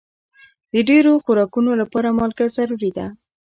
د ډېرو خوراکونو لپاره مالګه ضروري ده.